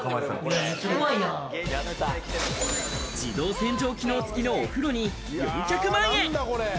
自動洗浄機能付きのお風呂に４００万円。